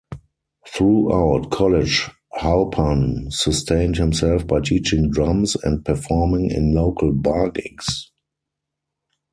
Throughout college Halpern sustained himself by teaching drums and performing in local bar gigs.